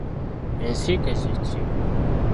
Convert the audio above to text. Ensiike kye ki?